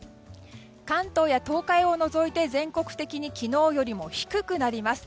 関東や東海を除いて全国的に昨日よりも低くなります。